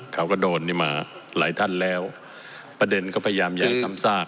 เขาก็โดนนี่มาหลายท่านแล้วประเด็นก็พยายามอย่าซ้ำซาก